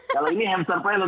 kalau ini hamster planner